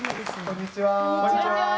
「こんにちは」